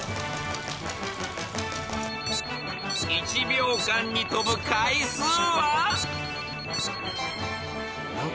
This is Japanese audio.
［１秒間に跳ぶ回数は？］